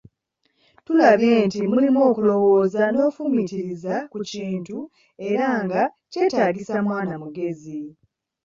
Tulabye nti mulimu okulwooza n’okufumiitiriza ku kintu era nga kyetaagisa mwana mugezi.